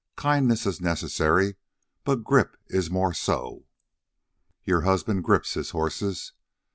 Kindness is necessary. But GRIP is more so. Your husband grips his horses.